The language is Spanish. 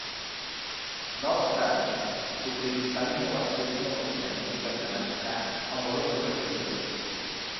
No obstante, su principal innovación es la combinación de la temática amoroso-religiosa.